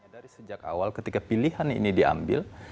dari sejak awal ketika pilihan ini diambil